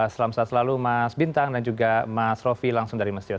selamat siang selalu mas bintang dan juga mas rofi langsung dari mesir